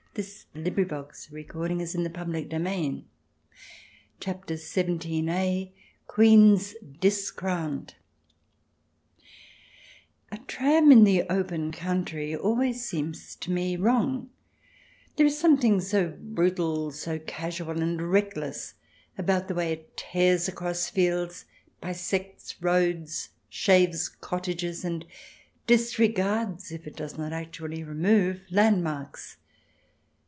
to the wonder and admiration of all beholders. CHAPTER XVII QUEENS DISCROWNED A TRAM in the open country always seems to me wrong ; there is something so brutal, so casual and reckless about the way it tears across fields, bisects roads, shaves cottages, and disregards, if it does not actually remove, landmarks.